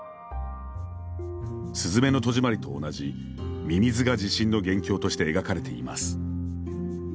すずめの戸締まりと同じ「ミミズ」が地震の元凶として描かれています。